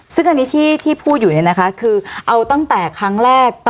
ซึ่งอันนี้ที่พูดอยู่เนี่ยนะคะคือเอาตั้งแต่ครั้งแรก